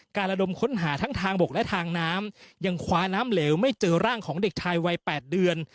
ระดมค้นหาทั้งทางบกและทางน้ำยังคว้าน้ำเหลวไม่เจอร่างของเด็กชายวัย๘เดือน